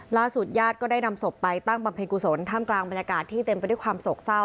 ญาติก็ได้นำศพไปตั้งบำเพ็ญกุศลท่ามกลางบรรยากาศที่เต็มไปด้วยความโศกเศร้า